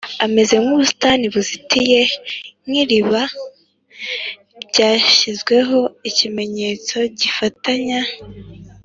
Ameze nk ubusitani buzitiye nk iriba ryashyizweho ikimenyetso gifatanya